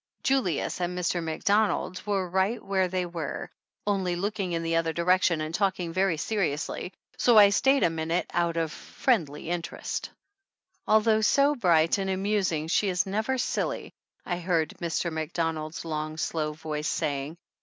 Julius and Mr. Macdonald were right where 135 THE ANNALS OF ANN they were, only looking in the other direction and talking very seriously, so I stayed a minute out of friendly interest. "Although so bright and amusing she is never silly," I heard Mr. Macdonald's long, slow voice saying.